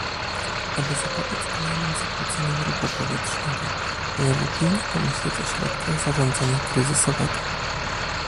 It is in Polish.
Aby zapobiec kolejnym zakłóceniom ruchu powietrznego, należy pilnie pomyśleć o środkach zarządzania kryzysowego